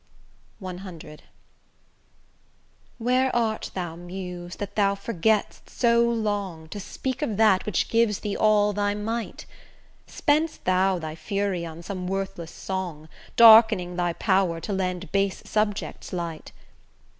C Where art thou Muse that thou forget'st so long, To speak of that which gives thee all thy might? Spend'st thou thy fury on some worthless song, Darkening thy power to lend base subjects light?